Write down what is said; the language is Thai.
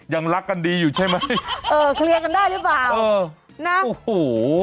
ยังรักกันดีอยู่ใช่ไหมเออเคลียร์กันได้หรือเปล่าเออนะโอ้โห